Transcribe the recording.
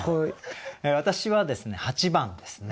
私はですね８番ですね。